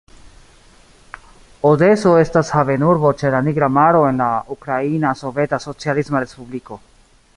Odeso estas havenurbo ĉe la Nigra Maro en la Ukraina Soveta Socialisma Respubliko.